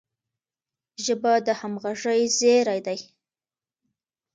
ژبه د همږغی زیری دی.